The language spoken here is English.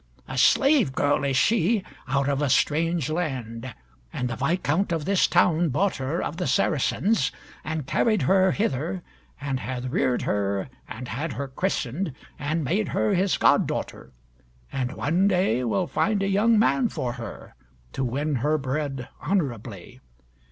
A slave girl is she, out of a strange land, and the viscount of this town bought her of the Saracens, and carried her hither, and hath reared her and had her christened, and made her his god daughter, and one day will find a young man for her, to win her bread honorably.